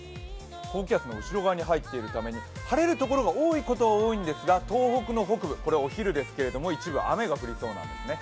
高気圧の後ろ側に入っているために晴れのところが多いには多いんですが東北の北部、お昼ですけれども一部、雨が降りそうなんですね。